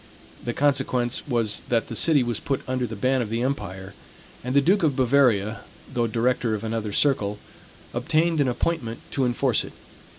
The consequence was that the city was put under the ban of the empire, and the Duke of Bavaria, though director of another circle, obtained an appointment to enforce it.